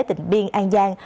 tỉnh biên an giang